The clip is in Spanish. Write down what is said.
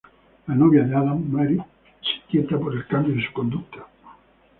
La novia de Adam, Mary, se inquieta por el cambio en su conducta.